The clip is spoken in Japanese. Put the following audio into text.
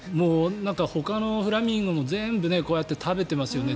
ほかのフラミンゴも全部こうやって食べてますよね。